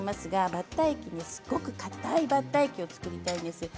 バッター液、すごくかたいバッター液を作りたいんです。